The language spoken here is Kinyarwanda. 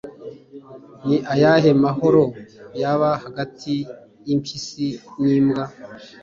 ni ayahe mahoro yaba hagati y'impyisi n'imbwa